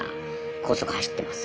高速走ってます。